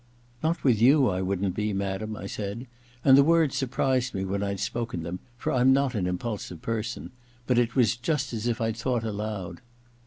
• Not with you I wouldn't be, madam,' I said, and the words surprised me when I'd spoken them, for I'm not an impulsive person ; but it was just as if I'd thought aloud.